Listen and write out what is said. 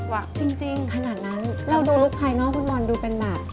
จริงขนาดนั้นเราดูลูกภายนอกฟุตบอลดูเป็นแบบ